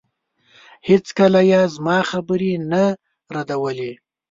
هېڅکله يې زما خبرې نه ردولې.